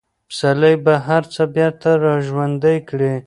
پسرلی به هر څه بېرته راژوندي کړي.